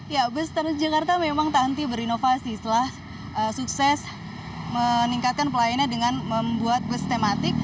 ya bus transjakarta memang tak henti berinovasi setelah sukses meningkatkan pelayanannya dengan membuat bus tematik